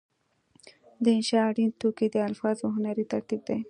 د انشأ اړین توکي د الفاظو هنري ترتیب دی.